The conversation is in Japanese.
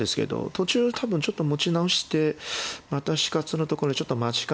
途中多分ちょっと持ち直してまた死活のところでちょっと間違えて。